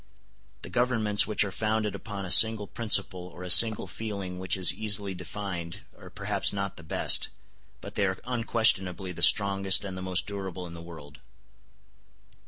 The governments which are founded upon a single principle or a single feeling which is easily defined are perhaps not the best, but they are unquestionably the strongest and the most durable in the world.